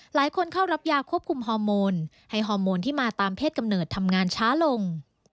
เข้ารับยาควบคุมฮอร์โมนให้ฮอร์โมนที่มาตามเพศกำเนิดทำงานช้าลง